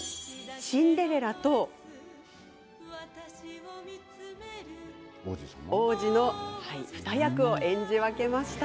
シンデレラと王子の二役を演じ分けました。